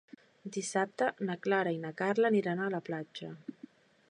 Dissabte na Clara i na Carla aniran a la platja.